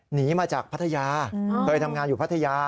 หนีมาจากพัทยาเคยทำงานอยู่พัทยา